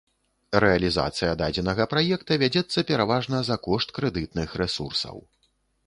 Рэалізацыя дадзенага праекта вядзецца пераважна за кошт крэдытных рэсурсаў.